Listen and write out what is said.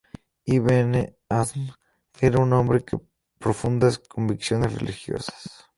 Ibn Hazm era un hombre de profundas convicciones religiosas.